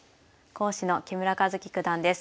講師の木村一基九段です。